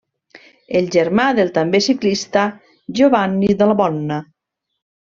És germà del també ciclista Giovanni Dalla Bona.